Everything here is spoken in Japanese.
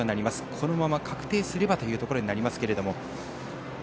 このまま確定すればということになりますけれど。